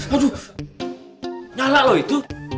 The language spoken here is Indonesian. aduh nyala loh itu